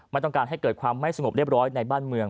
ไม่ต้องการให้เกิดความไม่สงบเรียบร้อยในบ้านเมือง